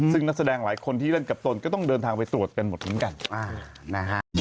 ซึ่งนักแสดงหลายคนที่เล่นกับตนก็ต้องเดินทางไปตรวจกันหมดเหมือนกันนะฮะ